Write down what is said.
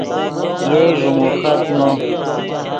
یئے ݱیموخت نو